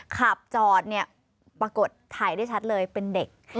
ขับจอดเนี่ยปรากฏถ่ายได้ชัดเลยเป็นเด็ก